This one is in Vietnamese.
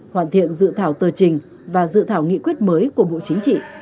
hoàn thiện dự thảo tờ trình và dự thảo nghị quyết mới của bộ chính trị